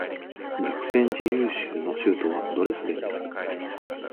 ザクセン自由州の州都はドレスデンである